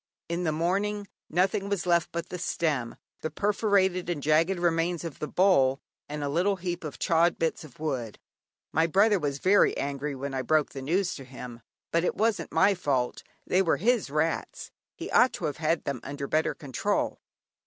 In the morning nothing was left but the stem, the perforated and jagged remains of the bowl, and a little heap of chawed bits of wood. My brother was very angry when I broke the news to him, but it wasn't my fault, they were his rats; he ought to have had them under better control.